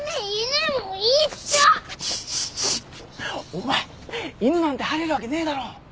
お前犬なんて入れるわけねえだろ。